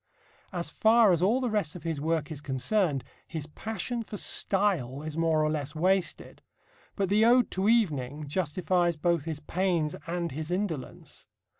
As far as all the rest of his work is concerned, his passion for style is more or less wasted. But the Ode to Evening justifies both his pains and his indolence.